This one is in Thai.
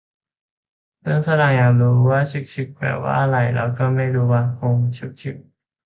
เพื่อนฝรั่งอยากรู้ว่า 'ฉึกฉึก' แปลว่าอะไร เอ่อ เราก็ไม่รู้ว่ะ งงฉึกฉึก